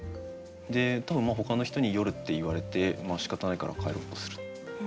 多分ほかの人に夜って言われてしかたないから帰ろうとする。